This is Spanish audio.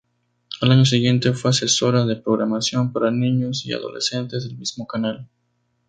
Al año siguiente fue asesora de programación para niños y adolescentes del mismo canal.